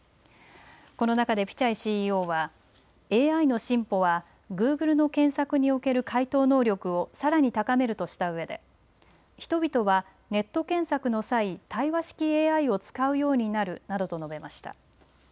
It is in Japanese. この中でピチャイＣＥＯは、ＡＩの進歩はグーグルの検索における回答能力をさらに高めるとしたうえで、人々はネット検索の際、対話式ＡＩを使うようになるなどと述べました。